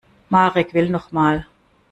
Marek will noch mal.